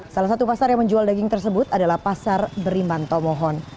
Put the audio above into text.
salah satu pasar yang menjual daging tersebut adalah pasar beriman tomohon